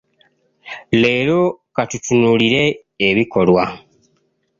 Leero ka tutunuulire ebikolwa.